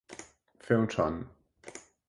Fer un son.